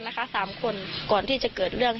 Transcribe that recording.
เพราะไม่เคยถามลูกสาวนะว่าไปทำธุรกิจแบบไหนอะไรยังไง